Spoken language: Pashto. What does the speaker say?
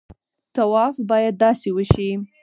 طواف باید داسې وشي.